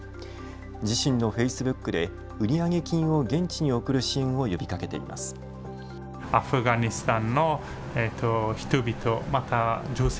自身のフェイスブックで売上金を現地に送る支援を呼びかけています。